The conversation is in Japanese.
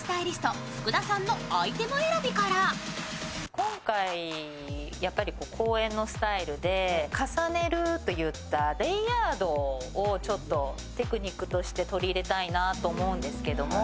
今回、公園のスタイルで重ねるといった、レイヤードをテクニックとして取り入れたいと思うんですけれども。